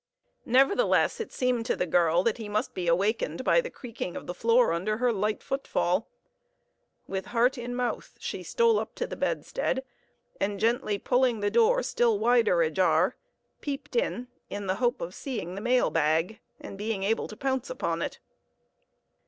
Nevertheless, it seemed to the girl that he must be awakened by the creaking of the floor under her light footfall. With heart in mouth she stole up to the bedstead, and gently pulling the door still wider ajar, peeped in, in the hope of seeing the mail bag and being able to pounce upon it.